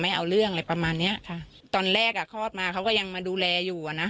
เอาเรื่องอะไรประมาณเนี้ยค่ะตอนแรกอ่ะคลอดมาเขาก็ยังมาดูแลอยู่อ่ะนะ